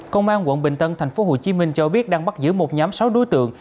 công an quận bình tân thành phố hồ chí minh cho biết đang bắt giữ một nhóm sáu đối tượng